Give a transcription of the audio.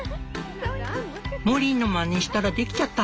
「モリーのまねしたらできちゃった。